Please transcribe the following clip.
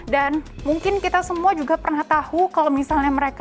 dan mungkin kita semua juga pernah tahu kalau misalnya mereka